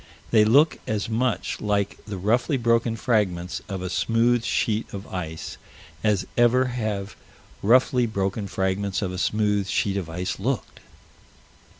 They look as much like the roughly broken fragments of a smooth sheet of ice as ever have roughly broken fragments of a smooth sheet of ice looked.